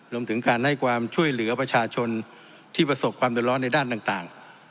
รวมถึงการให้ความช่วยเหลือประชาชนที่ประสบความเดือดร้อนในด้านต่าง